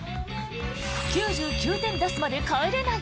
９９点出すまで帰れない！